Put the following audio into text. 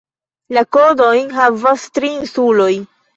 La kodojn havas tri insuloj.